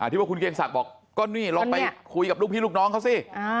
ที่ว่าคุณเกียงศักดิ์บอกก็นี่ลองไปคุยกับลูกพี่ลูกน้องเขาสิ